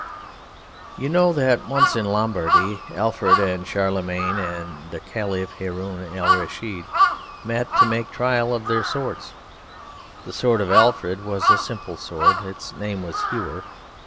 You know that once in Lombardy Alfred and Charlemagne and the Kaliph Haroun al Raschid met to make trial of their swords. The sword of Alfred was a simple sword: its name was Hewer.